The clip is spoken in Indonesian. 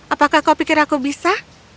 apakah kau pikir aku bisa